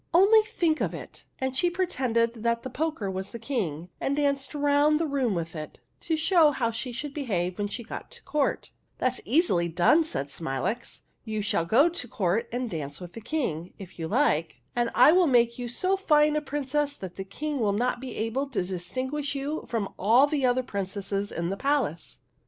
Only think of it !" And she pretended that the poker was the King and danced round the room with it, 56 THE HUNDREDTH PRINCESS to show how she should behave when she got to court. " That *s easily done," said Smilax. " You shall go to court and dance with the King, if you like ; and I will make you so fine a prin cess that the King will not be able to distin guish you from all the other princesses in the palace